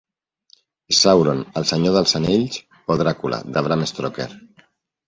Sauron al "Senyor dels Anells" o "Dràcula" de Bram Stoker.